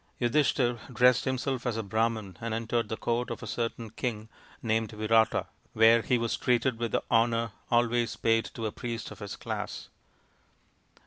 Yudhishthir dressed himself as a Brahman and entered the court of a certain king named Virata, where he was treated with the honour always paid to a priest of his class.